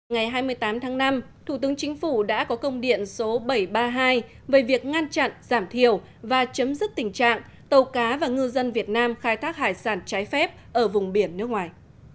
ngày hai mươi tám tháng năm thủ tướng chính phủ đã có công điện số bảy trăm ba mươi hai về việc ngăn chặn giảm thiểu và chấm dứt tình trạng tàu cá và ngư dân việt nam khai thác hải sản trái phép ở vùng biển nước ngoài